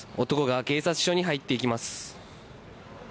男が警察署に入っていきます。